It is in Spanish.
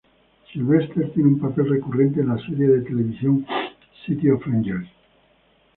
Sylvester tiene un papel recurrente en la serie de televisión "City of Angels".